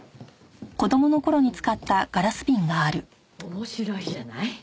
面白いじゃない。